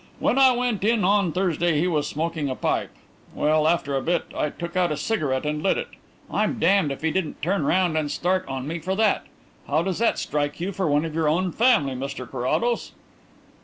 When I went in on Thursday he was smoking a pipe. Well, after a bit I took out a cigarette and lit it. I'm damned if he didn't turn round and start on me for that. How does that strike you for one of your own family, Mr Carrados?"